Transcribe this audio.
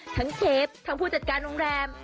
เชฟทั้งผู้จัดการโรงแรม